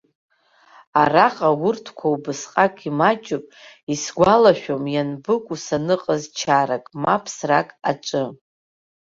Араҟа урҭқәа убасҟак имаҷуп, исгәалашәом ианбыкәу саныҟаз чарак, ма ԥсрак аҿы.